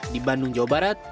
di bandung jawa barat